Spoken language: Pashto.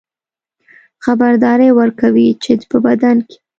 خبرداری ورکوي چې په بدن کې